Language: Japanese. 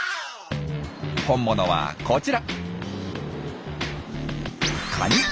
本物はこちら。